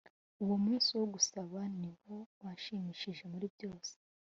uwo munsi wo gusaba ni wo wanshimishije muri byose